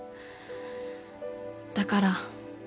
だから。